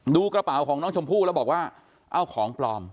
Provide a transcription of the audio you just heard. ดูกระเป๋าของน้องชมพู่แล้วบอกว่าเอาของปลอม